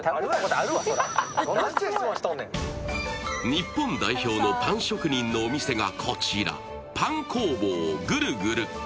日本代表のパン職人のお店がこちら、パン工房ぐるぐる。